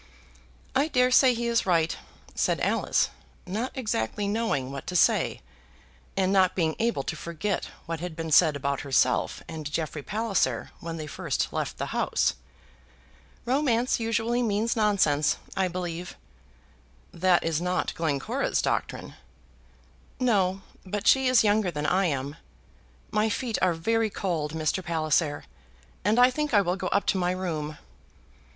"I dare say he is right," said Alice, not exactly knowing what to say, and not being able to forget what had been said about herself and Jeffrey Palliser when they first left the house. "Romance usually means nonsense, I believe." "That is not Glencora's doctrine." "No; but she is younger than I am. My feet are very cold, Mr. Palliser, and I think I will go up to my room."